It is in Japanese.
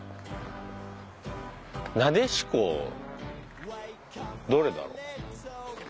撫子どれだろう？